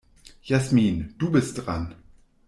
Jasmin, du bist dran.